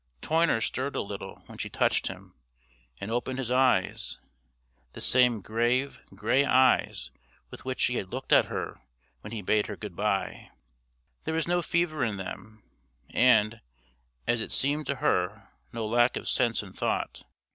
Toyner stirred a little when she touched him, and opened his eyes, the same grave grey eyes with which he had looked at her when he bade her good bye. There was no fever in them, and, as it seemed to her, no lack of sense and thought.